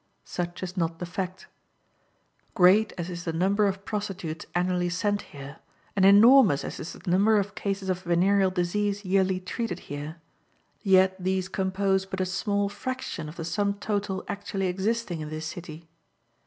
Such is not the fact. Great as is the number of prostitutes annually sent here, and enormous as is the number of cases of venereal disease yearly treated here, yet these compose but a small fraction of the sum total actually existing in this city.